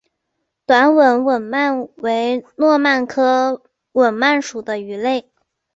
短吻吻鳗为糯鳗科吻鳗属的鱼类。